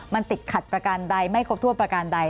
มันติดขัดประกันใดไม่ครบถ้วนประการใด